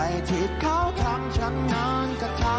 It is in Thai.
ไม่เชื่อไปฟังกันหน่อยค่ะ